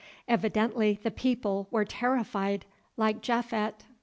Evidently the people were terrified, like Japhet.